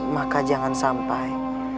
maka jangan sampai